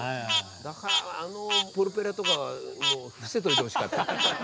だからあのプロペラとかも伏せておいてほしかった。